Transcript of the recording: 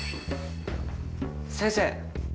先生。